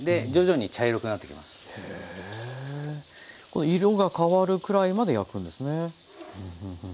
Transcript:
この色が変わるくらいまで焼くんですね。